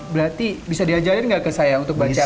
berarti bisa diajarin nggak ke saya untuk baca